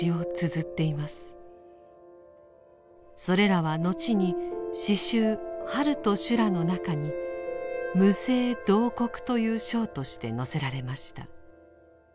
それらは後に詩集「春と修羅」の中に「無声慟哭」という章として載せられました。